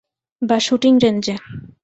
বা শুটিং রেঞ্জে।